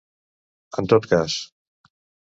En tot cas.